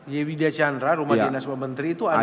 yewidah chandra rumah dinas pembentri itu ada mobil